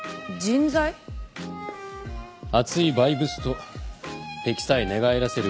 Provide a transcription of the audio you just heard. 熱いバイブスと敵さえ寝返らせる